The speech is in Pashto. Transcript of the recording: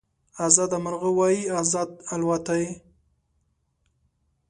ازاد مرغه وای ازاد الوتای